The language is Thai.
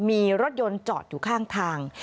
มีรถยนต์จอดอยู่ข้างทาง